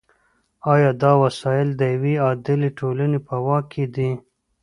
یا آیا دا وسایل د یوې عادلې ټولنې په واک کې دي؟